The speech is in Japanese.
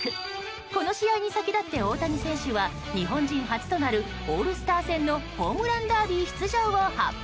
この試合に先立って大谷選手は日本人初となるオールスター戦のホームランダービー出場を発表。